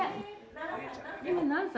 今何歳？